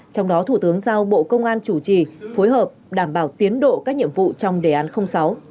trong đó thủ tướng giao bộ công an chủ trì phối hợp đảm bảo tiến độ các nhiệm vụ trong đề án sáu